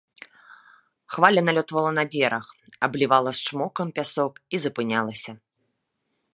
Хваля налётвала на бераг, аблівала з чмокам пясок і запынялася.